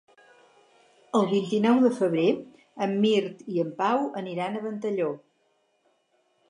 El vint-i-nou de febrer en Mirt i en Pau aniran a Ventalló.